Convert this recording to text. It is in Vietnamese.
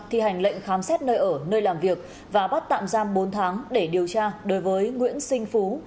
thi hành lệnh khám xét nơi ở nơi làm việc và bắt tạm giam bốn tháng để điều tra đối với nguyễn sinh phú